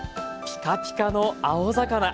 ピカピカの青魚。